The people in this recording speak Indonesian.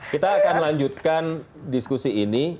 kita akan lanjutkan diskusi ini